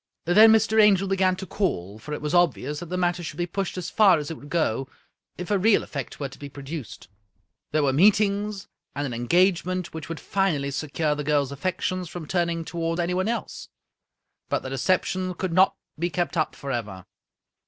Then Mr. Angel began to call, for it was obvious that the matter should be pushed as far as if would go, if a real effect were to be produced. There were meetings, and an engagement, which would finally secure the girl's affections from turning toward anyone else. But the deception could not be kept up forever.